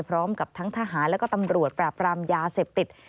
พร้อมกับทั้งทหารและก็ตำรวจปราบรามยาเสพติด